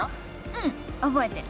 うん覚えてる！